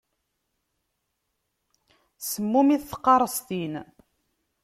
Semmumit tqaṛestin.